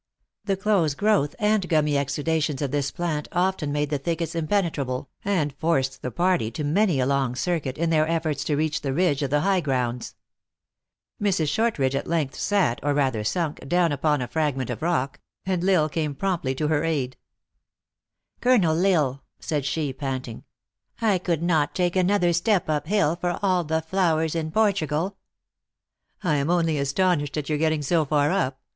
The close growth and gummy exuda tions of this plant often made the thickets impene trable, and forced the party to many a long circuit, in their efforts to reach the ridge of the high grounds. Mrs. Shortridge at length sat, or rather sunk, down THE ACTRESS IN HIGH LIFE. 95 upon a fragment of rock, and L Isle came promptly to her aid. " Colonel L Isle," said she, panting, " I could not take another step up hill for all the flowers in Port ugal." " I am only astonished at your getting so far up.